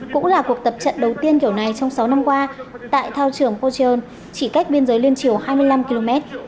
cũng là cuộc tập trận đầu tiên kiểu này trong sáu năm qua tại thao trường pocheon chỉ cách biên giới liên triều hai mươi năm km